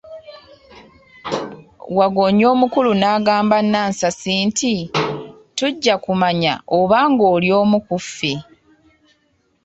Waggoonya omukulu n'agamba Anansi nti, tujja kumanya oba ng'oli omu ku ffe.